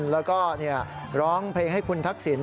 แล้วก็ร้องเพลงให้คุณทักษิณ